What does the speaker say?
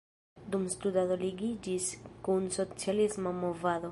Dum studado ligiĝis kun socialisma movado.